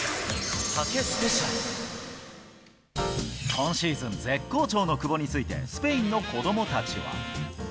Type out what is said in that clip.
今シーズン、絶好調の久保について、スペインの子どもたちは。